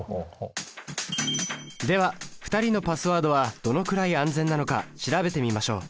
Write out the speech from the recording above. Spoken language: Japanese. では２人のパスワードはどのくらい安全なのか調べてみましょう。